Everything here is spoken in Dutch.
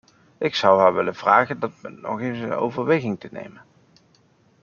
Ik zou haar willen vragen dat punt nog eens in overweging te nemen.